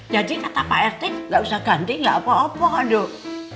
jadi kata pak rt nggak usah ganti nggak apa apa dok